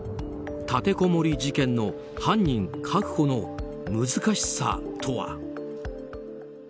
立てこもり事件の犯人確保の難しさとは。